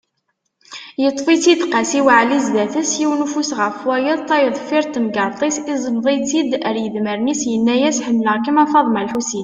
Yeṭṭef-itt-id Qasi waɛli zdat-s, yiwen ufus ɣef wayet, tayeḍ deffir n temgerḍt, iẓmeḍ-itt-id ar yidmaren-is, yenna-yas: Ḥemmleɣ-kem a Faḍma lḥusin.